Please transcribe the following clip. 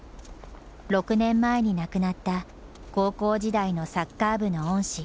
６年前に亡くなった高校時代のサッカー部の恩師